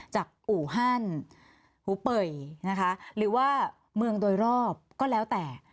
อู่ฮั่นหูเป่ยนะคะหรือว่าเมืองโดยรอบก็แล้วแต่